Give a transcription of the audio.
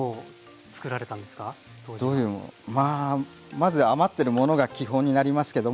まず余ってるものが基本になりますけども。